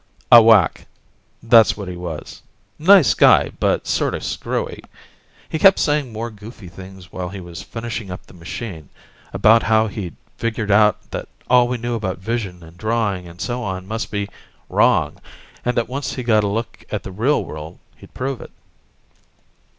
A wack, that's what he was. Nice guy, but sorta screwy. He kept saying more goofy things while he was finishing up the machine, about how he'd figured out that all we knew about vision and drawing and so on must be wrong, and that once he got a look at the real world he'd prove it.